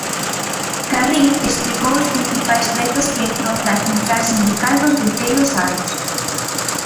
Carril explicou os principais retos que enfronta a central sindical nos vindeiros anos.